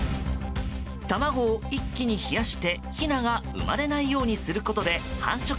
卵を一気に冷やして、ひなが生まれないようにすることで